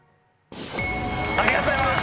ありがとうございます。